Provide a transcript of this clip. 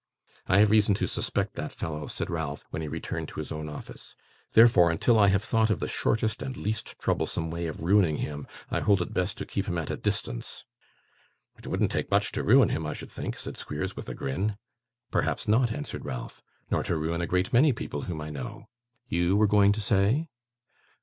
'I have reason to suspect that fellow,' said Ralph, when he returned to his own office. 'Therefore, until I have thought of the shortest and least troublesome way of ruining him, I hold it best to keep him at a distance.' 'It wouldn't take much to ruin him, I should think,' said Squeers, with a grin. 'Perhaps not,' answered Ralph. 'Nor to ruin a great many people whom I know. You were going to say